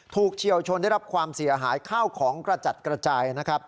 เฉียวชนได้รับความเสียหายข้าวของกระจัดกระจายนะครับ